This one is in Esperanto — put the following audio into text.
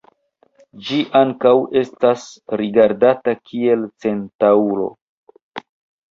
Ĝi ankaŭ estas rigardita kiel centaŭro.